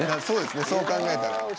そう考えたら」